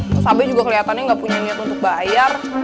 terus sampai juga kelihatannya nggak punya niat untuk bayar